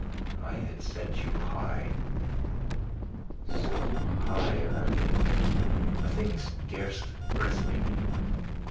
I had set you high so high, Aline a thing scarce earthly.